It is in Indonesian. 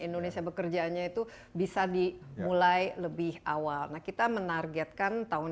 indonesia bekerjanya itu bisa dimulai lebih awal nah kita menargetkan tahun